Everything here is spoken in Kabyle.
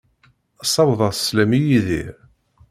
Ssawaḍ-as sslam i Yidir.